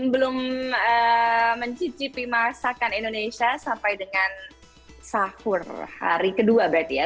belum mencicipi masakan indonesia sampai dengan sahur hari kedua berarti ya